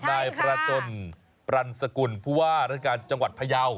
นายประจนปรันสกุลผู้ว่าราชการจังหวัดพยาว